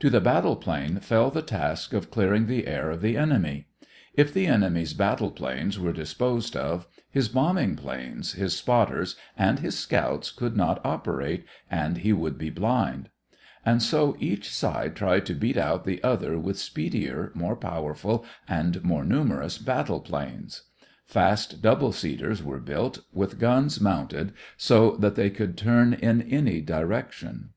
To the battle plane fell the task of clearing the air of the enemy. If the enemy's battle planes were disposed of, his bombing planes, his spotters, and his scouts could not operate, and he would be blind. And so each side tried to beat out the other with speedier, more powerful, and more numerous battle planes. Fast double seaters were built with guns mounted so that they could turn in any direction.